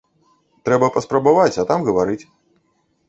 Трэба паспрабаваць, а там гаварыць.